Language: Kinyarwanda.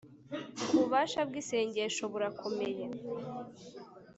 Ububasha bw’isengesho burakomeye